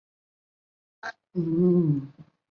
瓦唐下梅内特雷奥勒人口变化图示